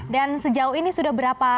dan sejauh ini sudah berapa